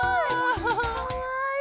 かわいい！